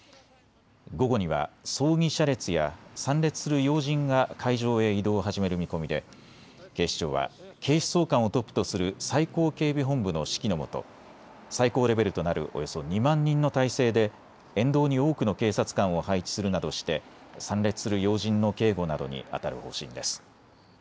午後には葬儀車列や参列する要人が会場へ移動を始める見込みで警視庁は警視総監をトップとする最高警備本部の指揮のもと最高レベルとなるおよそ２万人の態勢で沿道に多くの警察官を配置するなどして参列する要人の警護などにあたる方針です。